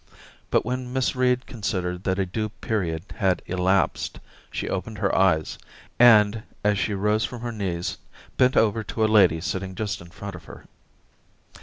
But when Miss Reed considered that a due period had elapsed, she opened her eyes, and, as she rose from her knees, bent over to a lady sitting just in front of her.